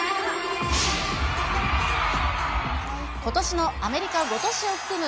ことしのアメリカ５都市を含む